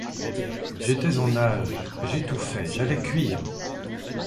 J’étais en nage, j’étouffais, j’allais cuire.